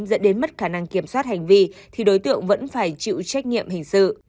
dẫn đến mất khả năng kiểm soát hành vi thì đối tượng vẫn phải chịu trách nhiệm hình sự